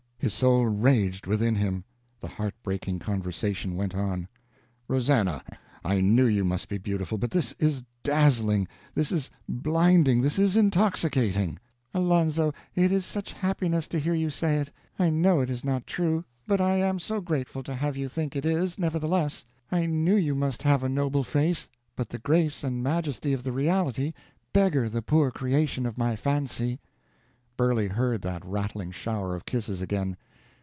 His soul raged within him. The heartbreaking conversation went on: "Rosannah, I knew you must be beautiful, but this is dazzling, this is blinding, this is intoxicating!" "Alonzo, it is such happiness to hear you say it. I know it is not true, but I am so grateful to have you think it is, nevertheless! I knew you must have a noble face, but the grace and majesty of the reality beggar the poor creation of my fancy." Burley heard that rattling shower of kisses again.